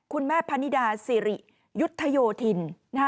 คุณแม่พนิดาสิริยุทธโยธิน